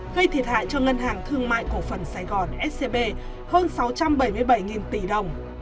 gây thiệt hại cho ngân hàng thương mại cổ phần sài gòn scb hơn sáu trăm bảy mươi bảy tỷ đồng